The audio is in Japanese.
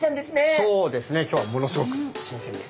そうですね今日はものすごく新鮮です。